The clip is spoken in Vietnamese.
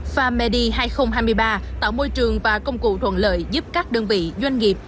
pham medi hai nghìn hai mươi ba tạo môi trường và công cụ thuận lợi giúp các đơn vị doanh nghiệp